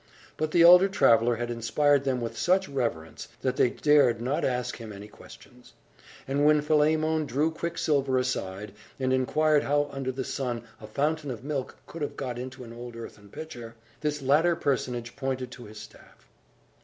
But the elder traveller had inspired them with such reverence, that they dared not ask him any questions. And when Philemon drew Quicksilver aside, and inquired how under the sun a fountain of milk could have got into an old earthen pitcher, this latter personage pointed to his staff.